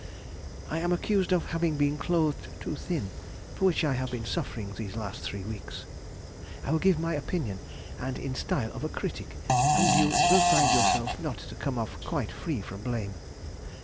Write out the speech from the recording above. I am accused of having been clothed too thin, for which I have been suffering these last three weeks.... I will give my opinion, and in style of a critic, and you will find yourself not to come off quite free from blame.